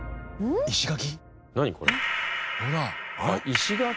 石垣？